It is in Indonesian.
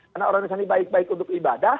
karena orang yang baik baik untuk ibadah